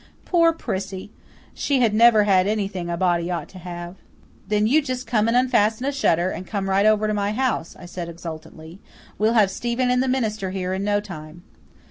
Poor Prissy! She had never had anything a body ought to have. "Then you just come and unfasten a shutter, and come right over to my house," I said exultantly. "We'll have Stephen and the minister here in no time."